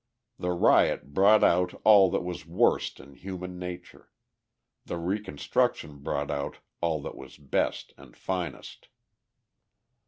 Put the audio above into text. The riot brought out all that was worst in human nature; the reconstruction brought out all that was best and finest.